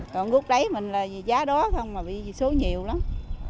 còn rút đáy mình là giá đó thôi mà vì số nhiều lắm